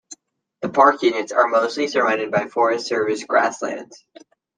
The park units are mostly surrounded by Forest Service grasslands.